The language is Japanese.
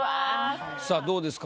さあどうですか？